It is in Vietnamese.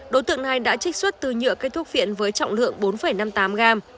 đối tượng này đã trích xuất từ nhựa cây thuốc viện với trọng lượng bốn năm mươi tám gram